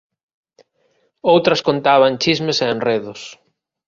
Outras contaban chismes e enredos